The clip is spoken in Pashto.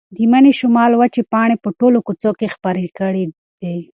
د مني شمال وچې پاڼې په ټوله کوڅه کې خپرې کړې وې.